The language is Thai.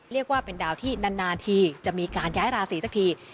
เรียกว่าเป็นดาวที่นานทีจะมีการย้ายราศีสักที